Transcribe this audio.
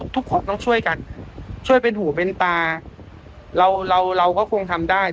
ทุกคนต้องช่วยกันช่วยเป็นหูเป็นตาเราเราเราก็คงทำได้